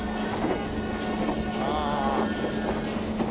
ああ。